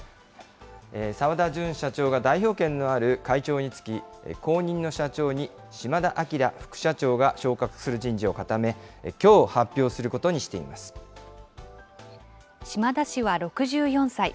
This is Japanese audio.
澤田純社長が、代表権のある会長に就き、後任の社長に、島田明副社長が昇格する人事を固め、きょう発表することにしてい島田氏は６４歳。